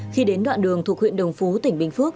khi đến đoạn đường thuộc huyện đồng phú tỉnh bình phước